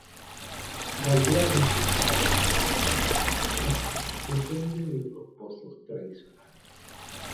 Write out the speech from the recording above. La aldea principal de la comuna depende de dos pozos tradicionales.